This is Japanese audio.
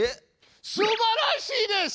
すばらしいです！